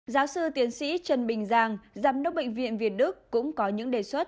giáo sư tiến sĩ trần bình giang giám đốc bệnh viện việt đức cũng có những đề xuất